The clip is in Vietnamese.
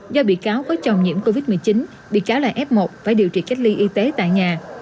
do bị cáo có chồng nhiễm covid một mươi chín bị cáo là f một phải điều trị cách ly y tế tại nhà